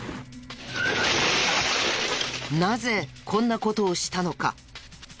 なぜこんな事をしたのか？